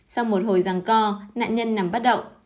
sau một hồi răng co nạn nhân nằm bất động